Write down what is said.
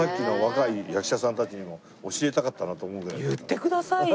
言ってくださいよ！